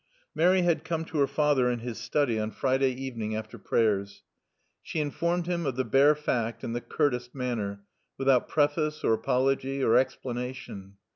Mary had come to her father in his study on Friday evening after Prayers. She informed him of the bare fact in the curtest manner, without preface or apology or explanation.